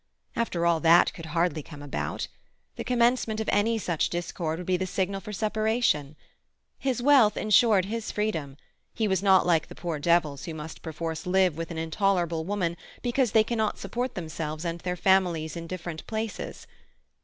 After all, that could hardly come about. The commencement of any such discord would be the signal for separation. His wealth assured his freedom. He was not like the poor devils who must perforce live with an intolerable woman because they cannot support themselves and their families in different places.